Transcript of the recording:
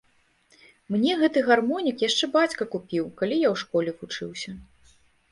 Мне гэты гармонік яшчэ бацька купіў, калі я ў школе вучыўся.